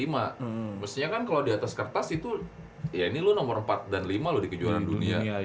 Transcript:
maksudnya kan kalau di atas kertas itu ya ini lo nomor empat dan lima lo di kejuaraan dunia